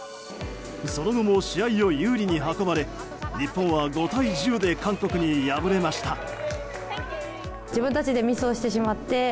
その後も試合を有利に運ばれ日本は５対１０で韓国に敗れました。